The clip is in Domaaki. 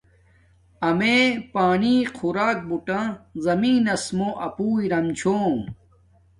امیے اپانݵ خوراک بوٹہ زمین نس مُو اپو ارم چھوم